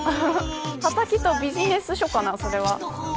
はたきとビジネス書かなそれは。